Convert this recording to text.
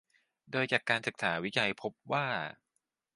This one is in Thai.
โดยจากการศึกษาวิจัยพบว่า